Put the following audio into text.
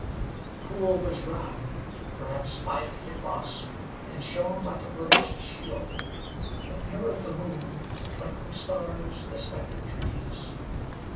The pool was round, perhaps five feet across, and shone like a burnished shield. It mirrored the moon, the twinkling stars, the spectre trees.